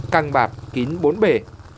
căng bạc kín bốn bể